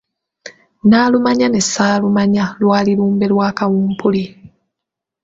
Nalumanya ne Ssaalumanya lwali lumbe lwa Kawumpuli.